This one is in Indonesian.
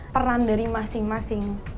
peran dari masing masing